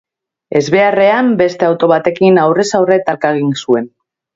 Ezbeharrean, beste auto batekin aurrez-aurre talka egin zuen.